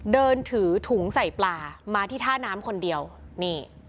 เดินถือถุงใส่ปลามาที่ท่าน้ำคนเดียวนี่